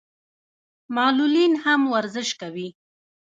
معلولین هم ورزش کوي.